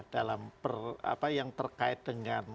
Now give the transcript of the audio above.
dalam apa yang terkait dengan